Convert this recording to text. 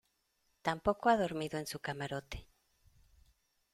tampoco ha dormido en su camarote.